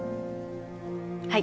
はい